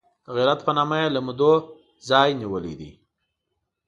د غیرت په نامه یې له مودو ځان نیولی دی.